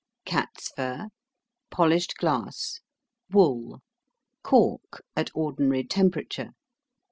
Cats' fur. Polished glass. Wool. Cork, at ordinary temperature.